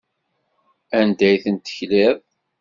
Anda ay tent-tekliḍ?